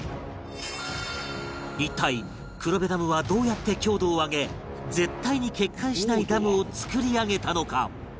一体黒部ダムはどうやって強度を上げ絶対に決壊しないダムを造り上げたのか？